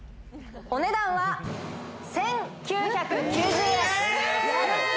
お値段は１９９０円。